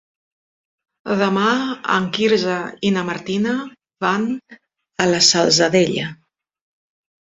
Demà en Quirze i na Martina van a la Salzadella.